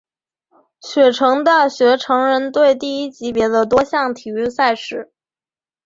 雪城大学橙人队第一级别的多项体育赛事。